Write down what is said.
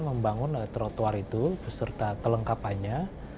membangun trotoar itu beserta kelengkapannya